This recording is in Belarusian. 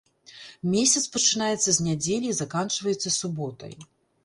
Месяц пачынаецца з нядзелі і заканчваецца суботай.